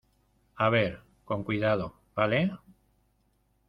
a ver, con cuidado ,¿ vale?